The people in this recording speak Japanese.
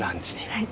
はい。